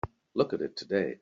Look at it today.